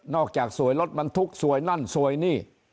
จากสวยรถบรรทุกสวยนั่นสวยนี่